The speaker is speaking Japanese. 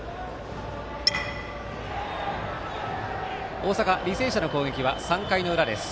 大阪、履正社の攻撃は３回の裏です。